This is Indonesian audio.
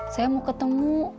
saya mau ketemu